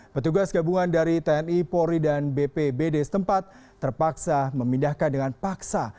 petugas gabungan dari tni polri dan bpbd setempat terpaksa memindahkan dengan paksa